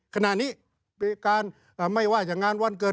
ขณะนี้เป็นการไม่ว่าอย่างงานวันเกิด